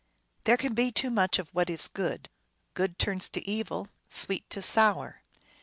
There can be too much of what is good ; good turns to evil, sweet to sour.